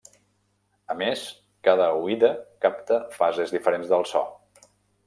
A més, cada oïda capta fases diferents del so.